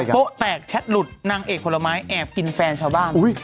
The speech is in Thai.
โต๊ะแตกแชทหลุดนางเอกผลไม้แอบกินแฟนชาวบ้าน